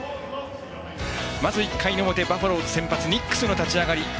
まず１回表、バファローズ先発ニックスの立ち上がり。